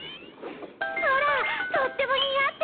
ほらとっても似合ってる！